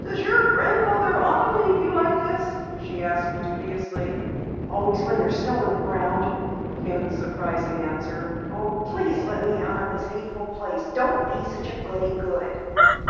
"Does your grandfather often leave you like this?" she asked dubiously. "Always when there's snow on the ground," came the surprising answer. "Oh, please let me out of this hateful place! Don't be such a goody good!"